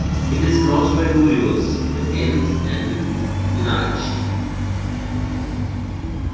It is crossed by two rivers, the Enz and the Teinach.